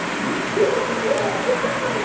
やばい人いる！